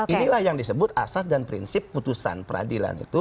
inilah yang disebut asas dan prinsip putusan peradilan itu